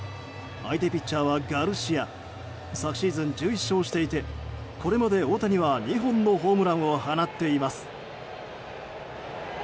相手ピッチャーは、ガルシア。昨シーズン１１勝していてこれまで大谷は２本のホームランを放っています。